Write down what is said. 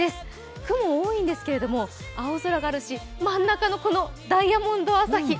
雲多いんですけれども青空があるし真ん中のダイヤモンド朝日、